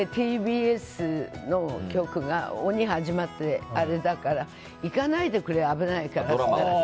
ＴＢＳの曲が「鬼」が始まって、あれだから行かないでくれ、危ないからって。